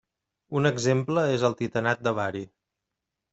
Un exemple és el titanat de bari.